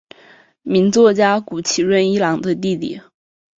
名作家谷崎润一郎的弟弟。